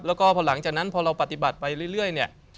แล้วก็พอหลังจากนั้นพอเราปฏิบัติไปเรื่อยเนี่ย